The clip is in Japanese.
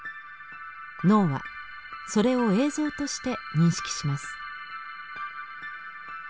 脳はそれを映像として認識します。